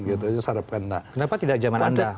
kenapa tidak zaman anda